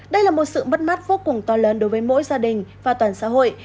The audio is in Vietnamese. đây là một sự mất mát vô cùng to lớn đối với mỗi gia đình và toàn xã hội